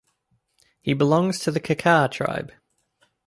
He belongs to the Kakar tribe.